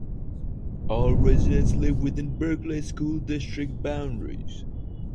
All residents live within Berkley School District boundaries.